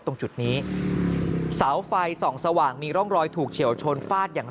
ตรงจุดนี้เสาไฟส่องสว่างมีร่องรอยถูกเฉียวชนฟาดอย่าง